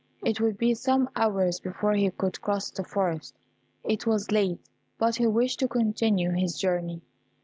It would be some hours before he could cross the forest; it was late, but he wished to continue his journey.